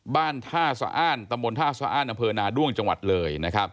บ้านท่าสะอ้านตำบลท่าสะอ้านอำเภอนาด้วงจังหวัดเลย